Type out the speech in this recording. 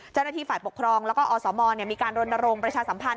เจ้าหน้าที่ฝ่ายปกครองแล้วก็อสมมีการรณรงค์ประชาสัมพันธ